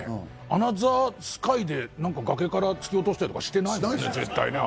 『アナザースカイ』で崖から突き落としたりとかしてないもんね